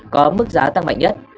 có mức giá tăng mạnh nhất